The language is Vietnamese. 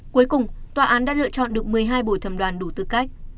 cuối cùng tòa án đã lựa chọn được một mươi hai bồi thẩm đoàn đủ tư cách